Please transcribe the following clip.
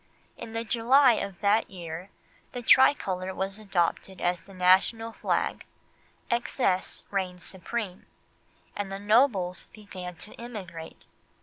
In the July of that year the tricolour was adopted as the national flag, excess reigned supreme, and the nobles began to emigrate.